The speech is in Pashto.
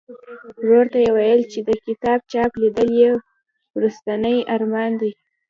ورور ته یې ویل چې د کتاب چاپ لیدل یې وروستنی ارمان دی.